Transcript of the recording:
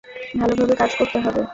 ভালোভাবে কাজ করতে হবে।